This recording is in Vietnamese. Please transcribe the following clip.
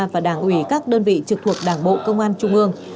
và đảng ủy các đơn vị trực thuộc đảng bộ công an trung ương